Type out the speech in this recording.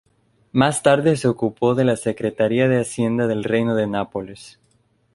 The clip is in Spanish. Más tarde se ocupó de la secretaría de hacienda del Reino de Nápoles.